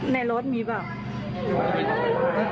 ในรถมีหรือเปล่า